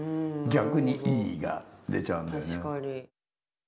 逆にいいが出ちゃうんだよね。